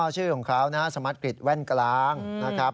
อ๋อชื่อของเขานะฮะสมัสกฤทธิ์แว่นกลางนะครับ